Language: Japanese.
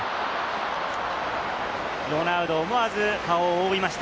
ロナウド、思わず顔を覆いました。